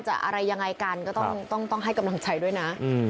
อะไรยังไงกันก็ต้องให้กำลังใจด้วยนะ